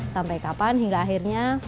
sampai kapan hingga akhirnya